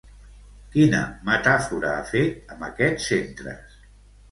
Quina metàfora ha fet amb aquests centres?